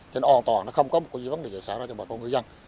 thì nó an toàn không có vấn đề xảy ra cho bà con ngư dân